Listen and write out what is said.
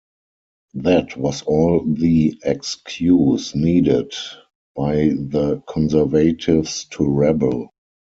That was all the excuse needed by the conservatives to rebel.